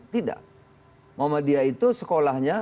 tidak mahmadiyah itu sekolahnya